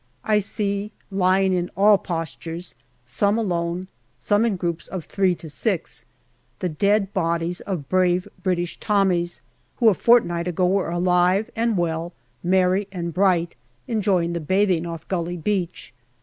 I see lying in all postures some alone, some in groups of three to six the dead bodies of brave British Tommies, who a fortnight ago were alive and well, merry and bright, enjoying the bathing off Gully Beach.